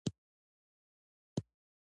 علم له ذهني محدودیتونو خلاصون دی.